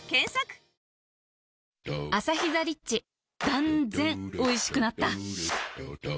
断然おいしくなった